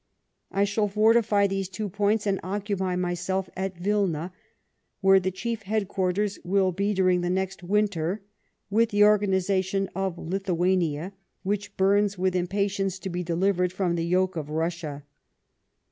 I shall fortify these two points, and occupy myself, at Wilna, where the chief headquarters will be during the next winter, with the organisation of Lithuania, which burns witli impatience to be delivered from the yoke of Russia.